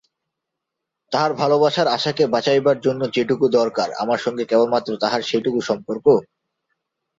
তাহার ভালোবাসার আশাকে বাঁচাইবার জন্য যেটুকু দরকার, আমার সঙ্গে কেবলমাত্র তাহার সেইটুকু সর্ম্পক?